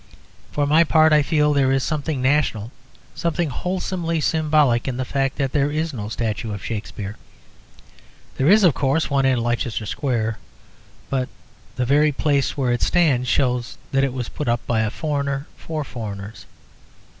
For my part, I feel there is something national, something wholesomely symbolic, in the fact that there is no statue of Shakspere. There is, of course, one in Leicester Square; but the very place where it stands shows that it was put up by a foreigner for foreigners.